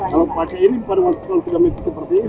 kalau pakai ini kalau sudah mendekati seperti ini bisa